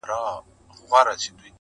چي یو غم یې سړوم راته بل راسي!